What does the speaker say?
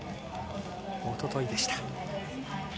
おとといでした。